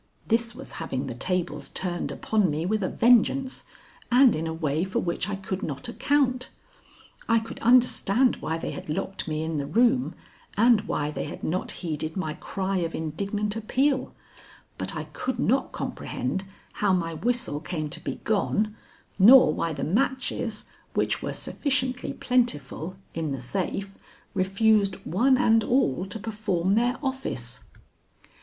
This was having the tables turned upon me with a vengeance and in a way for which I could not account. I could understand why they had locked me in the room and why they had not heeded my cry of indignant appeal, but I could not comprehend how my whistle came to be gone, nor why the matches, which were sufficiently plentiful in the safe, refused one and all to perform their office.